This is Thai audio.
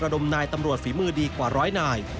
แห่งชาติระดมนายตำรวจฝีมือดีกว่าร้อยหน่าย